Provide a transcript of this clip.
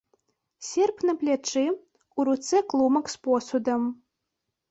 Серп на плячы, у руцэ клумак з посудам.